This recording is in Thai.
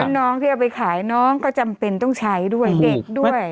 น้องที่เอาไปขายน้องก็จำเป็นต้องใช้ด้วยเด็กด้วย